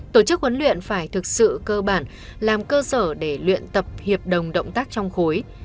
tổ chức huấn luyện phải thực sự cơ bản làm cơ sở để luyện tập hiệp đồng động tác trong khối